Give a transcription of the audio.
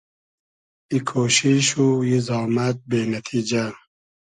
ای کۉشیش و ای زامئد بې نئتیجۂ